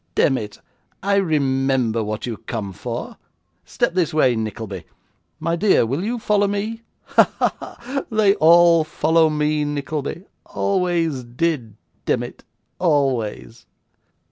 'Demmit, I remember what you come for. Step this way, Nickleby; my dear, will you follow me? Ha! ha! They all follow me, Nickleby; always did, demmit, always.